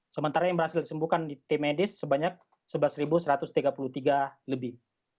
sementara yang berhasil disembuhkan di tim medis sebanyak sebelas satu ratus tiga puluh tiga lebih